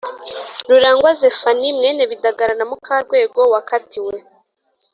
Rurangwa zephanie mwene bidagara na mukarwego wakatiwe